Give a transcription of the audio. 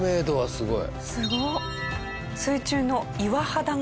すごい。